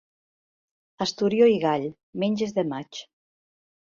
Esturió i gall, menges de maig.